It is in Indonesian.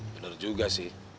bener juga sih